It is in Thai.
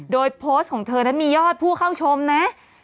โดยโพสต์ของเธอนั้นมียอดผู้เข้าชมนะ